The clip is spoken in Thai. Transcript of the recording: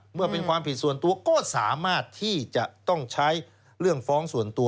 เมื่อเป็นความผิดส่วนตัวก็สามารถที่จะต้องใช้เรื่องฟ้องส่วนตัว